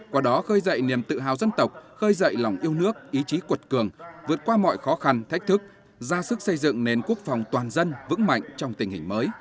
qua đó khơi dậy niềm tự hào dân tộc khơi dậy lòng yêu nước ý chí cuột cường vượt qua mọi khó khăn thách thức ra sức xây dựng nền quốc phòng toàn dân vững mạnh trong tình hình mới